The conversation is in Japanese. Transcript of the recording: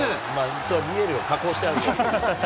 それは見えるよ、加工してあるんだから。